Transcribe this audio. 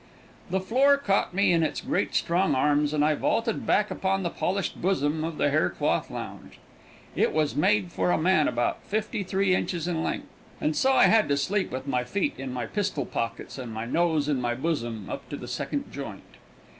The floor caught me in its great strong arms and I vaulted back upon the polished bosom of the hair cloth lounge. It was made for a man about fifty three inches in length, and so I had to sleep with my feet in my pistol pockets and my nose in my bosom up to the second joint.